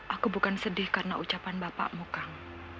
aku bukan sedih karena ucapan bapakmu kang